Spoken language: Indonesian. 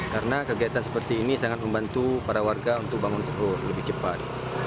karena kegiatan seperti ini sangat membantu para warga untuk bangun sahur lebih cepat